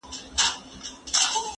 زه به اوږده موده کتابتون ته تللی وم؟